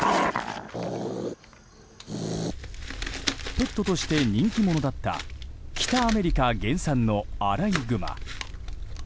ペットとして人気者だった北アメリカ原産のアライグマ。